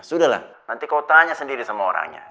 sudah lah nanti kau tanya sendiri sama orangnya